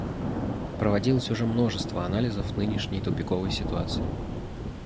Проводилось уже множество анализов нынешней тупиковой ситуации.